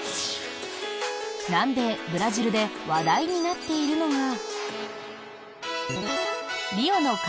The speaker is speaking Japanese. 南米ブラジルで話題になっているのが。